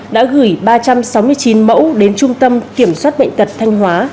đã gửi ba trăm sáu mươi chín mẫu đến trung tâm kiểm soát bệnh tật thanh hóa